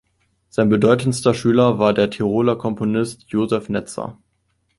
Sein bedeutendster Schüler war der Tiroler Komponist Josef Netzer.